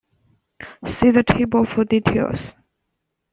See the table for details.